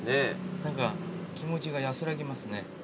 何か気持ちが安らぎますね。